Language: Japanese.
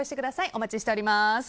お待ちしております。